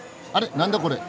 何だこれ！？